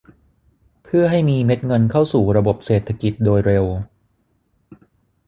เพื่อให้มีเม็ดเงินเข้าสู่ระบบเศรษฐกิจโดยเร็ว